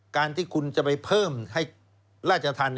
การที่คุณจะไปเพิ่มให้ทัน